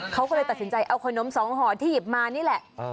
เขาก็เลยตัดสินใจเอาขนมสองห่อที่หยิบมานี่แหละ